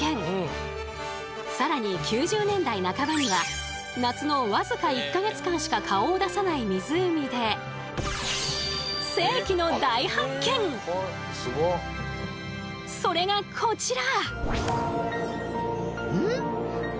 更に９０年代半ばには夏の僅か１か月間しか顔を出さない湖でそれがこちら！